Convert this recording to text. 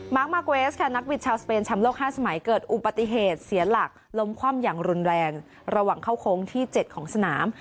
มาร์เกรสค่ะนักบินชาวสเปนแชมป์โลก๕สมัยเกิดอุบัติเหตุเสียหลักล้มคว่ำอย่างรุนแรงระหว่างเข้าโค้งที่๗ของสนาม